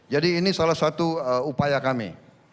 jadi ini salah satu upaya kami